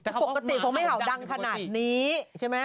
แต่ปกติคงไม่เห่าดังขนาดนี้ใช่ไหม